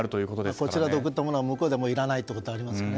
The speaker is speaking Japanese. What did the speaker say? こちらで送ったものは向こうで入らないということにもなりますからね。